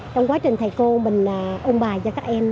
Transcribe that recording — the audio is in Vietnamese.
trong quá trình thầy cô mình ôm bài cho các em